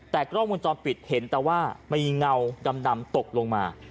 แต่กล้องวงจรปิดเห็นแต่ว่ามีเงาดำตกลงมา